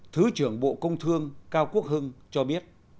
thứ trưởng bộ công thương cao quốc hưng cho biết